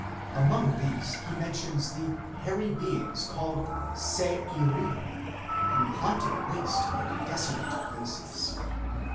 l Among these he mentions the " hairy beings," called Se irim, who haunted waste and desolate places.